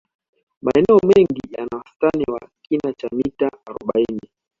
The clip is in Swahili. maeneo mengi yana wastani wa kina cha mita arobaini